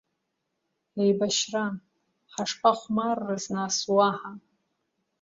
Еибашьран, ҳашԥахәмаррыз, нас, уаҳа!